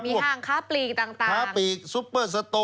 มีห้างค้าปลีกต่าง